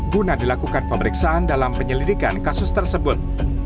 guna dilakukan pemeriksaan dalam penyelidikan kasus tersebut